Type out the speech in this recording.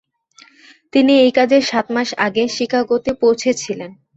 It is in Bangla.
তিনি এই কাজের সাত মাস আগে শিকাগোতে পৌঁছেছিলেন।